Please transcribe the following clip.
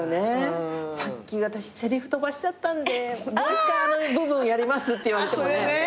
さっき私せりふ飛ばしちゃったんでもう一回あの部分やりますって言われてもね。